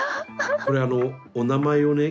これあのお名前をね